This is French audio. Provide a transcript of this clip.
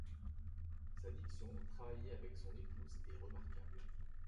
Sa diction, travaillée avec son épouse, est remarquable.